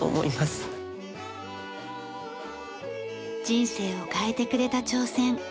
人生を変えてくれた挑戦。